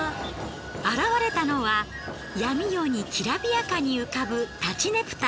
現れたのは闇夜にきらびやかに浮かぶ立佞武多。